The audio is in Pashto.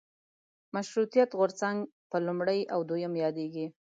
مشروطیت غورځنګ په لومړي او دویم یادېږي.